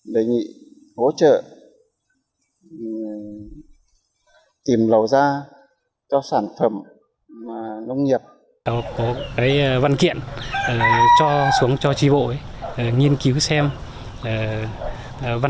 đề nghị hỗ trợ tìm lầu ra cho sản phẩm và nông nghiệp